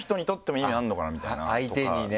相手にね。